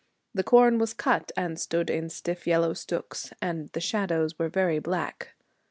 The corn was cut, and stood in stiff yellow stooks, and the shadows were very black.